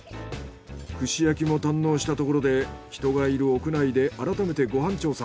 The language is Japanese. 串焼きも堪能したところで人がいる屋内で改めてご飯調査。